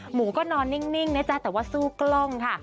หนูก็นอนนิ่งนะจ๊ะแต่ว่าสู้กล้องค่ะ